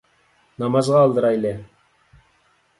نامازغا ئالدىرايلى